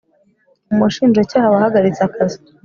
umushinjacyaha wahagaritse akazi